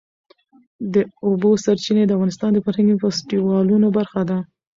د اوبو سرچینې د افغانستان د فرهنګي فستیوالونو برخه ده.